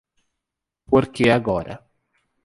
Porque agora